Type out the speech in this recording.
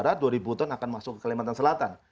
rata rata dua ribu ton akan masuk ke kalimantan selatan